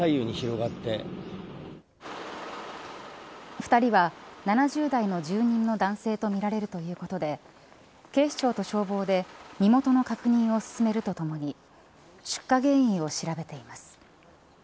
２人は７０代の住人の男性とみられるということで警視庁と消防で身元の確認を進めるとともに出火原因を調べています。